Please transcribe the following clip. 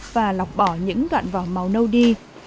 và lọc bỏ những đoạn vỏ màu nâu đi